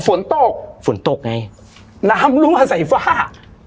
ฝนตกฝนตกไงน้ำรั่วใส่ฝ้า